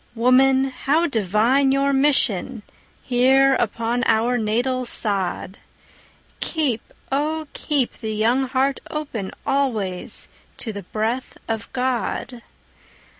Woman, how divine your mission Here upon our natal sod! Keep, oh, keep the young heart open Always to the breath of God!